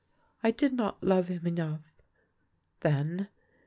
I did not love him enough — then.